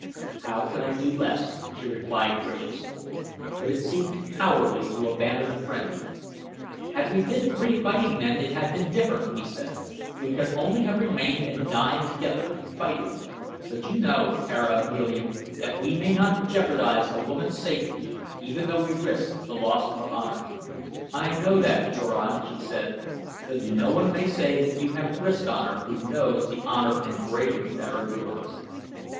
"How could I do less?" she replied graciously. "But it seemed cowardly to abandon a friend." "Had we been three fighting men it had been different," he said. "We could only have remained and died together, fighting; but you know, Tara of Helium, that we may not jeopardize a woman's safety even though we risk the loss of honor." "I know that, Turan," she said; "but no one may say that you have risked honor, who knows the honor and bravery that are yours."